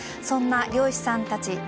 そんな漁師さんたち